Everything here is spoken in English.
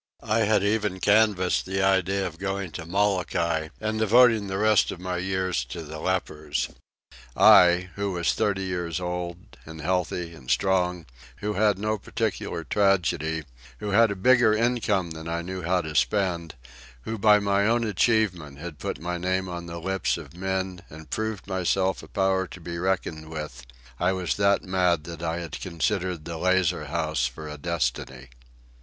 I had even canvassed the idea of going to Molokai and devoting the rest of my years to the lepers—I, who was thirty years old, and healthy and strong, who had no particular tragedy, who had a bigger income than I knew how to spend, who by my own achievement had put my name on the lips of men and proved myself a power to be reckoned with—I was that mad that I had considered the lazar house for a destiny.